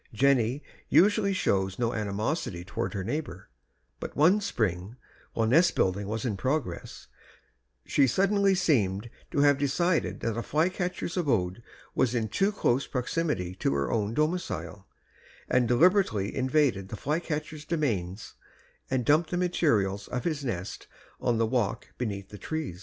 Jenny usually showed no animosity toward her neighbor; but one spring, while nest building was in progress, she suddenly seemed to have decided that the flycatcher's abode was in too close proximity to her own domicile and deliberately invaded the flycatcher's domains and dumped the materials of his nest on the walk beneath the tree.